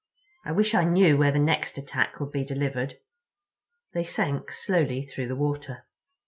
I wish I knew where the next attack would be delivered." They sank slowly through the water.